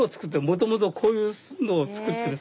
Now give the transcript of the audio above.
もともとこういうのを作ってる。